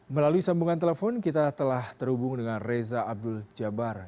melalui sambungan telepon kita telah terhubung dengan reza abdul jabar